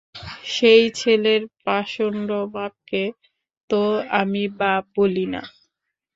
সেই ছেলের পাষণ্ড বাপকে তো আমি বাপ বলি না।